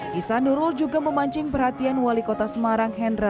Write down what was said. kisah nurul juga memancing perhatian wali kota semarang hendra